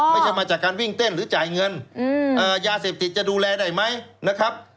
ไม่ใช่มาจากการวิ่งเต้นหรือจ่ายเงินยาเสพติดจะดูแลได้ไหมนะครับ